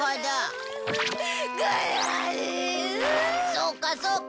そうかそうか。